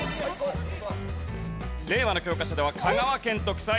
令和の教科書では香川県と記載。